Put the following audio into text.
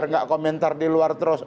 biar gak komentar di luar terus